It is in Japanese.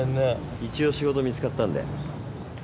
一応仕事見つかったんで。